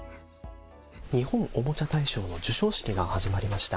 日本おもちゃ大賞の授賞式が始まりました。